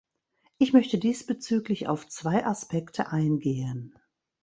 Ich möchte diesbezüglich auf zwei Aspekte eingehen.